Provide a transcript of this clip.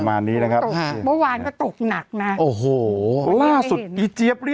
มันน้ำลั่นเหรอ